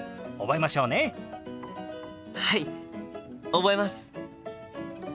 はい覚えます！